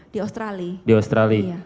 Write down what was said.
di australia di australia